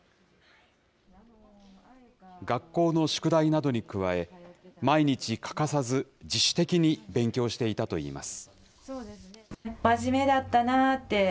学校の宿題などに加え、毎日欠かさず自主的に勉強していたといいます。